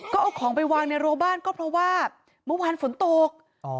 ก็เอาของไปวางในรัวบ้านก็เพราะว่าเมื่อวานฝนตก